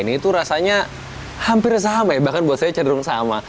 ini tuh rasanya hampir sama ya bahkan buat saya cenderung sama